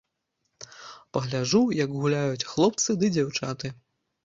Пагляджу, як гуляюць хлопцы ды дзяўчаты!